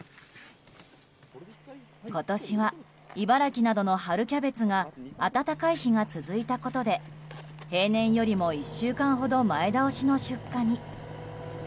今年は茨城などの春キャベツが暖かい日が続いたことで平年よりも１週間ほど前倒しの出荷に。